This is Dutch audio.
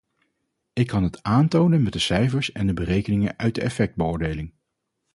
Ik kan het aantonen met de cijfers en de berekeningen uit de effectbeoordeling.